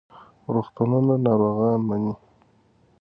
روغتونونه ناروغان مني.